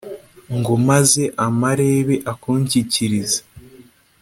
ngo maze amarebe akunshyikirize